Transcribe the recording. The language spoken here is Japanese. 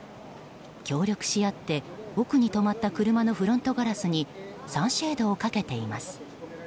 協力し合って奥に止まった車のフロントガラスにサンシェードをかけています。